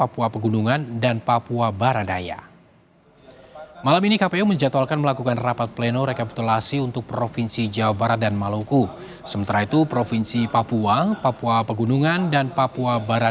pemilihan umum akan melanjutkan tahapan rekapitulasi penghitungan suara